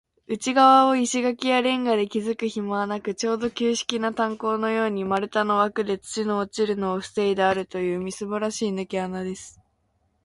内がわを石がきやレンガできずくひまはなく、ちょうど旧式な炭坑のように、丸太のわくで、土の落ちるのをふせいであるという、みすぼらしいぬけ穴です。